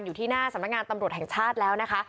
อยู่ที่หน้าสำนักงานตำรวจแห่งชาติแล้วนะคะ